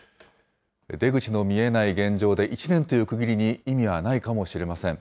出口の見えない現状で、１年という区切りに意味はないかもしれません。